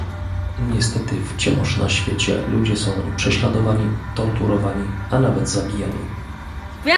Niestety wciąż na świecie ludzie są prześladowani, torturowani, a nawet zabijani